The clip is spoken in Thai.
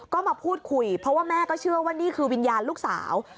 ก็มาพูดคุยเพราะว่าแม่ก็เชื่อว่านี่คือวิญญาณลูกสาว